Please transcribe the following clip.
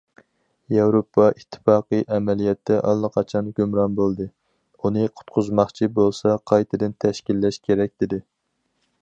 ياۋروپا ئىتتىپاقى ئەمەلىيەتتە ئاللىقاچان گۇمران بولدى، ئۇنى قۇتقۇزماقچى بولسا قايتىدىن تەشكىللەش كېرەك، دېدى.